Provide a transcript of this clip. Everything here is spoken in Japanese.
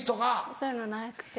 そういうのなくて。